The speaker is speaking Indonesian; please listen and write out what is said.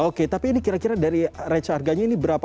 oke tapi ini kira kira dari range harganya ini berapa